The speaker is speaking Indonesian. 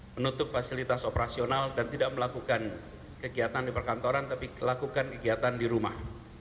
menutup fasilitas operasional dan tidak melakukan kegiatan di perkantoran tapi lakukan kegiatan di rumah